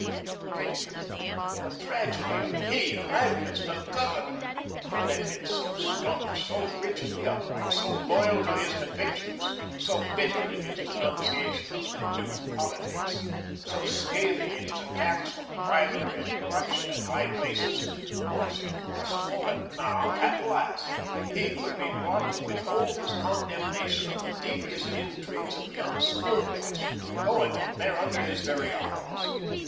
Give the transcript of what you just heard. The pity of it, the tragedy of it! He, Magnus, the "Governor," who had been so staunch, so rigidly upright, so loyal to his convictions, so bitter in his denunciation of the New Politics, so scathing in his attacks on bribery and corruption in high places; was it possible that now, at last, he could be brought to withhold his condemnation of the devious intrigues of the unscrupulous, going on there under his very eyes?